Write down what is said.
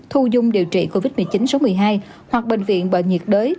thu dung điều trị covid một mươi chín số một mươi hai hoặc bệnh viện bệnh nhiệt đới